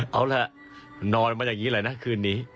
เอาล่ะนอนมาอย่างนี้แหละนะคืนนี้